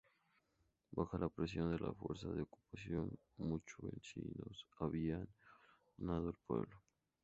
Bajo la presión de las fuerzas de ocupación, muchos vecinos habían abandonado el pueblo.